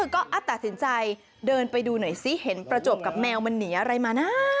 ก็ตัดสินใจเดินไปดูหน่อยซิเห็นประจวบกับแมวมันหนีอะไรมานะ